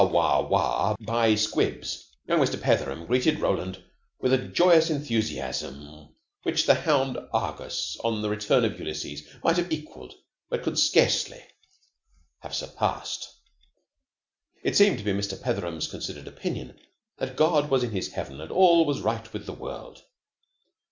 Wah! Buy 'Squibs.'" Young Mr. Petheram greeted Roland with a joyous enthusiasm which the hound Argus, on the return of Ulysses, might have equalled but could scarcely have surpassed. It seemed to be Mr. Petheram's considered opinion that God was in His Heaven and all was right with the world.